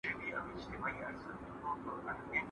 ¬ مړ مي که، خو پړ مي مه که.